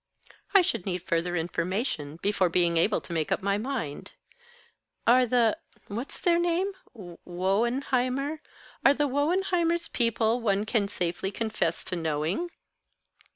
"I should need further information, before being able to make up my mind. Are the what's their name? Wohenheimer? are the Wohenheimers people one can safely confess to knowing?